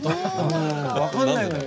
分かんないのに。